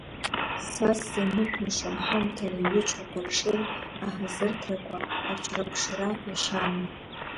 Са сзанышәашам ҳамҭала иҩычоу аԥаршеи, аҳазырҭрақәа аҽраԥшра иашьаноу…